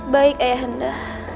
baik ayah anda